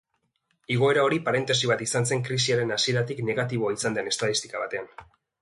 Igoera hori parentesi bat izan zen krisiaren hasieratik negatiboa izan den estatistika batean.